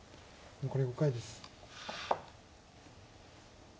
残り５回です。